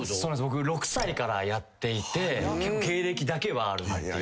僕６歳からやっていて芸歴だけはあるっていう。